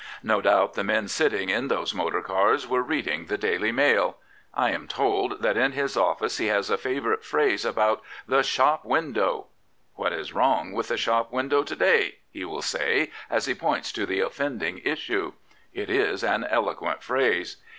No doubt the men sitting in those motor cars were reading the Daily Mail, I am told that in his office he has a favourite phrase about ' the shop window.' ' What is wrong with the shop window to day? ' he will say, as he points to the offending issue. It is an eloquent phrase.